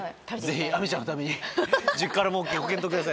ぜひ亜美ちゃんのために１０辛もご検討ください。